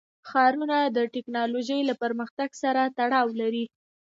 ښارونه د تکنالوژۍ له پرمختګ سره تړاو لري.